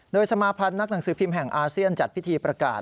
โดยสมาพันธ์นักหนังสือพิมพ์แห่งอาเซียนจัดพิธีประกาศ